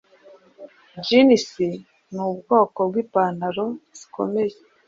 Jeans ni ubwoko bw'ipantaro zikomeye